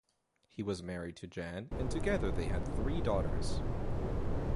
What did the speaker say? He was married to Jan and together they had three daughters.